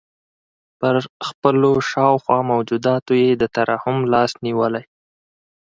پر خپلو شاوخوا موجوداتو یې د ترحم لاس نیولی.